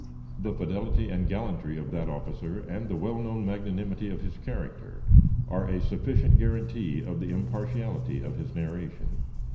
The fidelity and gallantry of that officer and the well known magnanimity of his character are a sufficient guarantee of the impartiality of his narration.